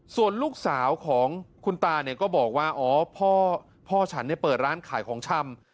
ส่วนลูกสาวของคุณตาเนี่ยก็บอกว่าอ๋อพ่อฉันเปิดร้านขายของชำ